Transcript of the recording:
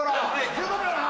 １５秒な！